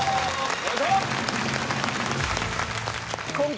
お願いします。